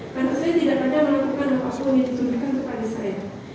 karena saya tidak ada melakukan apapun yang ditunjukkan kepada saya